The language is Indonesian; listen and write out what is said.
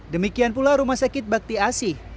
demikian pula rumah sakit bakti asih